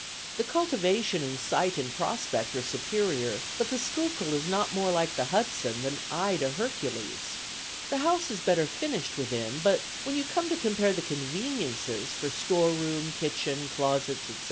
The cultivation in sight and prospect are superior, but the Schuylkill is not more like the Hudson, than I to Hercules. The house is better finished within; but, when you come to compare the conveniences for storeroom, kitchen, closets, etc.